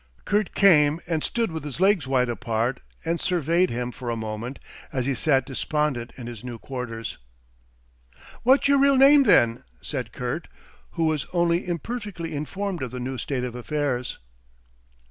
Kurt came and stood with his legs wide apart and surveyed, him for a moment as he sat despondent in his new quarters. "What's your real name, then?" said Kurt, who was only imperfectly informed of the new state of affairs.